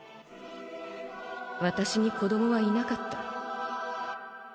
私に子どもはいなかった。